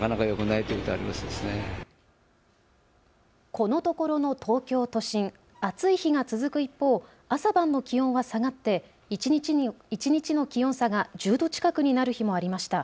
このところの東京都心、暑い日が続く一方、朝晩の気温は下がって一日の気温差が１０度近くになる日もありました。